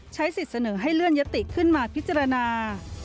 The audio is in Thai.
ใช้สิทธิ์เสนอให้เลื่อนยติขึ้นมาพิจารณา